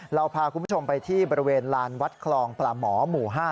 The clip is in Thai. เราพาคุณผู้ชมไปที่บริเวณลานวัดคลองปลาหมอหมู่๕